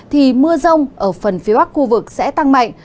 thì mưa rông ở phần phía bắc khu vực sẽ tăng mạnh